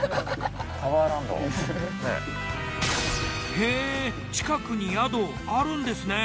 へぇ近くに宿あるんですね。